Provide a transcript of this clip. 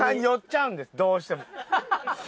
寄っちゃうんですどうしても。